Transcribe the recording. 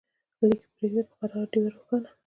لیږه پریږده په قرار ډېوه روښانه